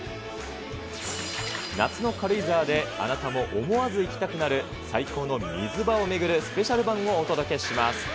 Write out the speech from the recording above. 夏の軽井沢であなたも思わず行きたくなる最高の水場を巡るスペシャル版をお届けします。